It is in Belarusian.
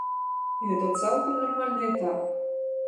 Гэта цалкам нармальны этап.